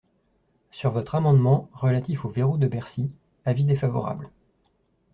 Sur votre amendement, relatif au verrou de Bercy, avis défavorable.